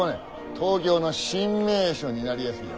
東京の新名所になりやすよ